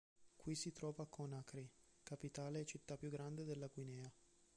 Qui si trova Conakry, capitale e città più grande della Guinea.